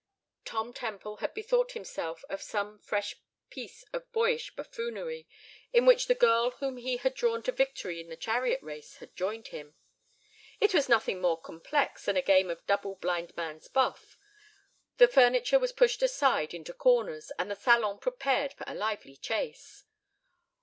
Tom Temple had bethought himself of some fresh piece of boyish buffoonery, in which the girl whom he had drawn to victory in the chariot race had joined him. It was nothing more complex than a game of double blind man's buff. The furniture was pushed aside into corners, and the salon prepared for a lively chase.